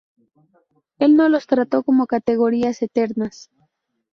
Él no los trató como categorías eternas.